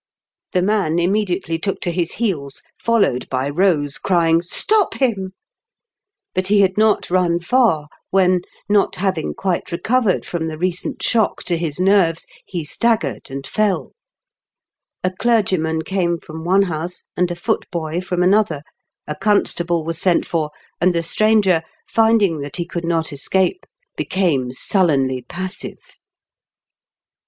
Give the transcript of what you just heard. The man immediately took to his heels, followed by Rose, crying, *' Stop him !" But he had not run far when, not having quite recovered from the recent shock to his nerves, he staggered and fell. A clergyman came from one house, and a footboy from another, a constable was sent for, and the stranger, finding that he could not escape, became sullenly passive. THE DOOMED OF THE DARK ENTRY.